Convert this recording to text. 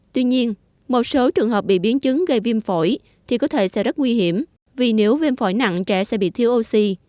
tuy nhiên một số trường hợp bị biến chứng gây viêm phổi thì có thể sẽ rất nguy hiểm vì nếu viêm phổi nặng trẻ sẽ bị thiếu oxy